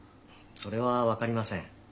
それは分かりません。